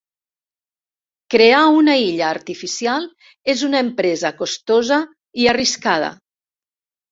Crear una illa artificial és una empresa costosa i arriscada.